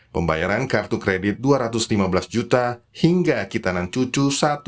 pembayaran kartu kredit dua ratus lima belas juta hingga kitanan cucu